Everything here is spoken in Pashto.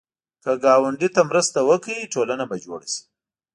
که ګاونډي ته مرسته وکړې، ټولنه به جوړه شي